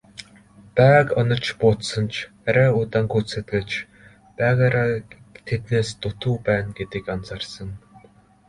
Байг онож буудсан ч арай удаан гүйцэтгэж байгаагаараа тэднээс дутуу байна гэдгийг анзаарсан.